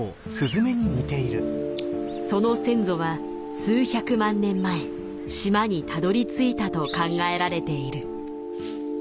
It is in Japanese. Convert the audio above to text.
その先祖は数百万年前島にたどりついたと考えられている。